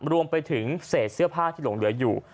รวมไปถึงเศษเสื้อผ้าที่หลงเหลืออยู่